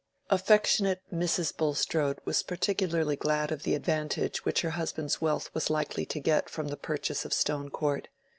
Affectionate Mrs. Bulstrode was particularly glad of the advantage which her husband's health was likely to get from the purchase of Stone Court.